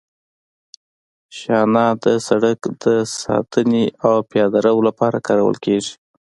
شانه د سرک د ساتنې او پیاده رو لپاره کارول کیږي